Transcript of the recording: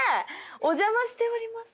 おじゃましております。